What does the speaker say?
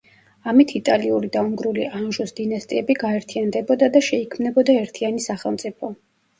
ამით იტალიური და უნგრული ანჟუს დინასტიები გაერთიანდებოდა და შეიქმნებოდა ერთიანი სახელმწიფო.